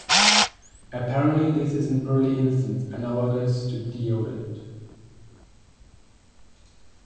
Apparently this is an early instance analogous to deodand.